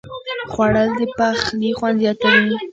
خوړل د پخلي خوند زیاتوي